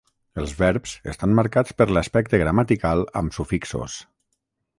Els verbs estan marcats per l'aspecte gramatical amb sufixos.